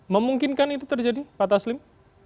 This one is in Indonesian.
memungkinkan itu terjadi pak taslim